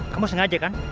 kamu sengaja kan